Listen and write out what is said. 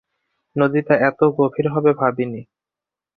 নদীটা এতো গভীর হবে ভাবিনি।